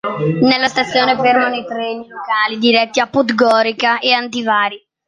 Nella stazione fermano i treni locali diretti a Podgorica e Antivari.